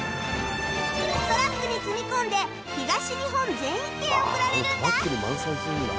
トラックに積み込んで東日本全域へ送られるんだ！